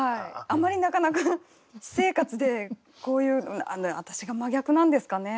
あまりなかなか私生活でこういう私が真逆なんですかね？